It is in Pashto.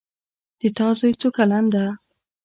د تا زوی څو کلن ده